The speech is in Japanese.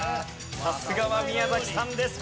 さすがは宮崎さんです。